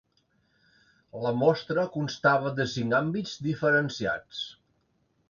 La mostra constava de cinc àmbits diferenciats.